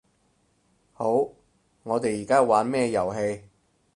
好，我哋而家玩咩遊戲